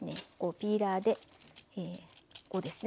ピーラーでこうですね。